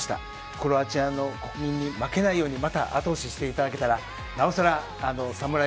クロアチアに負けないようにまた後押ししていただけたらなおさらサムライ